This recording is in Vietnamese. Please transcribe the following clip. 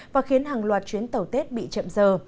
và khiến hàng loạt chuyến tàu tết bị chậm giờ